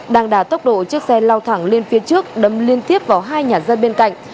đang đà tốc độ chiếc xe lao thẳng lên phía trước đâm liên tiếp vào hai nhà dân bên cạnh